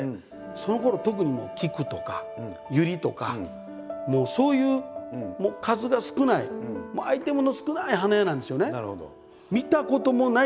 そのころ特にもう菊とか百合とかそういう数が少ないアイテムの少ない花屋なんですよね。